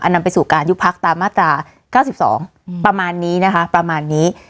นำไปสู่การยุบพักตามมาตรา๙๒ประมาณนี้นะคะประมาณนี้